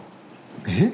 えっ？